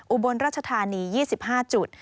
อุบลราชธานี๒๕จุด